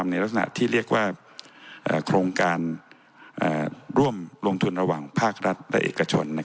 ในลักษณะที่เรียกว่าโครงการร่วมลงทุนระหว่างภาครัฐและเอกชน